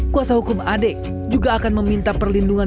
kuasa hukum ade juga akan meminta perlindungan